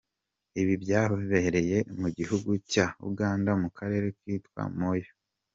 Ibi byabereye mu gihugu cya Uganda mu karere kitwa Moyo.